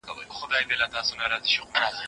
مور مي ډوډۍ پخوي.